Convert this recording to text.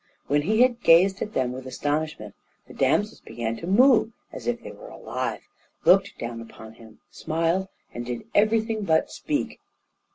When he had gazed at them with astonishment, the damsels began to move as if they were alive, looked down upon him, smiled, and did everything but speak.